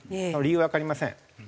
その理由はわかりません。